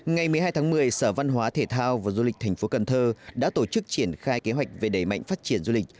ngày một mươi hai tháng một mươi sở văn hóa thể thao và du lịch thành phố cần thơ đã tổ chức triển khai kế hoạch về đẩy mạnh phát triển du lịch